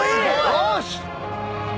よし！